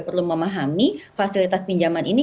perlu memahami fasilitas pinjaman ini